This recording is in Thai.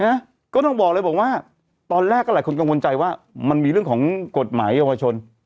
นะก็ต้องบอกเลยบอกว่าตอนแรกก็หลายคนกังวลใจว่ามันมีเรื่องของกฎหมายเยาวชน